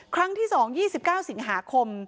ครั้งที่๒๒๙สิงหาคม